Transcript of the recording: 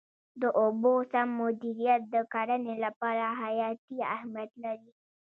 د اوبو سم مدیریت د کرنې لپاره حیاتي اهمیت لري.